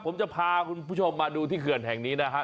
ผมจะพาคุณผู้ชมมาดูที่เขื่อนแห่งนี้นะฮะ